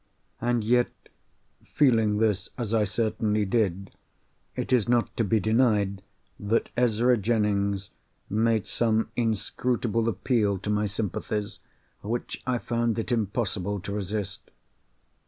And yet—feeling this as I certainly did—it is not to be denied that Ezra Jennings made some inscrutable appeal to my sympathies, which I found it impossible to resist.